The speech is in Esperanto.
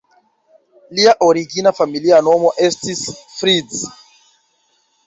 Lia origina familia nomo estis "Fritz".